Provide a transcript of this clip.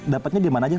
dapatnya dimana aja